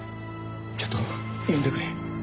ちょっと読んでくれ。